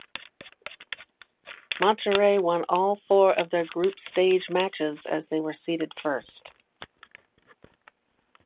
Monterrey won all four of their group stage matches as they were seeded first.